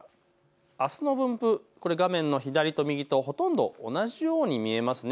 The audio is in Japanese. あすの分布、画面の左と右、ほとんど同じように見えます。